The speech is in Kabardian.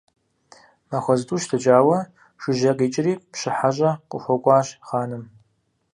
Махуэ зытӀущ дэкӀауэ, жыжьэ къикӀри, пщы хьэщӀэ къыхуэкӀуащ хъаным.